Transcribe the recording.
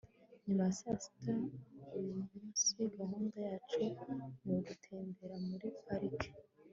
nyuma ya sasita uyumunsi, gahunda yacu ni ugutembera muri parike